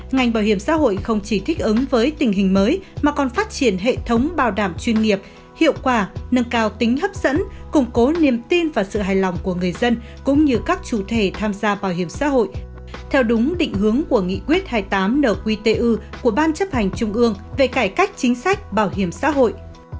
ngành bảo hiểm xã hội không chỉ thích ứng với tình hình mới mà còn phát triển hệ thống bảo đảm chuyên nghiệp hiệu quả nâng cao tính hấp dẫn củng cố niềm tin và sự hài lòng của người dân cũng như các chủ thể tham gia bảo hiểm xã hội theo đúng định hướng của nghị quyết hai mươi tám nqtu của ban chấp hành trung ương về cải cách chính sách bảo hiểm xã hội